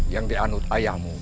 yang dianut ayahmu